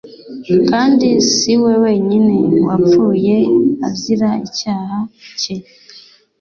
Kandi si we wenyine wapfuye azira icyaha cye